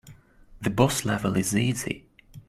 The boss level is easy.